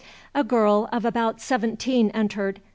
A girl of about seventeen entered.